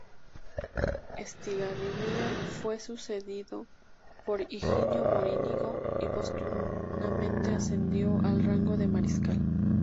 Estigarribia fue sucedido por Higinio Morínigo y póstumamente ascendido al rango de mariscal.